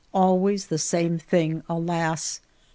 Always the same thing, alas